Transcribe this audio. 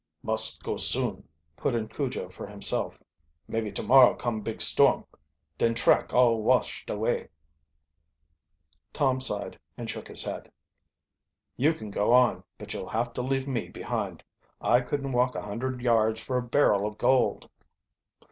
"Must go soon," put in Cujo for himself. "Maybe tomorrow come big storm den track all washed away." Tom sighed and shook his head. "You can go on, but you'll have to leave me behind. I couldn't walk a hundred yards for a barrel of gold."